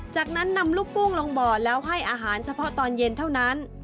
จากนั้นนำลูกกุ้งลงบ่อแล้วให้อาหารเฉพาะตอนเย็นเท่านั้น